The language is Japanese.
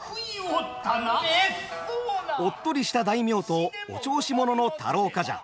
おっとりした大名とお調子者の太郎冠者。